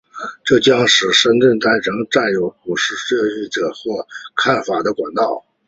这将使得探测棒成为占卜师的潜意识知识或看法的管道。